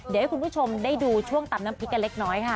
เดี๋ยวให้คุณผู้ชมได้ดูช่วงตำน้ำพริกกันเล็กน้อยค่ะ